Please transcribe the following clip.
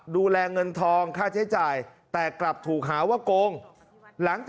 ดูแลเงินทองค่าใช้จ่ายแต่กลับถูกหาว่าโกงหลังจาก